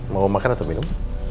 mau makan atau minum